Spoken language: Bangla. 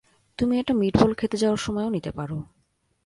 তুমি এটা মিটবল খেতে যাওয়ার সময় ও নিতে পারো।